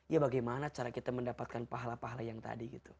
ya bagaimana cara kita mendapatkan pahala pahala yang tadi gitu